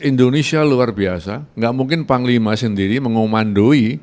indonesia luar biasa nggak mungkin panglima sendiri mengomandoi